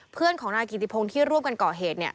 เพื่อนของนายกิติพงศ์ที่รวบกันเกาะเหตุเนี่ย